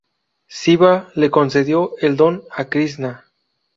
Sivá le concedió el don a Krisná.